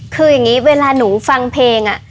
คืออย่างนี้เวลาหนูฟังเพลง